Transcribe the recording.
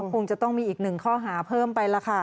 คงจะต้องมีอีกหนึ่งข้อหาเพิ่มไปล่ะค่ะ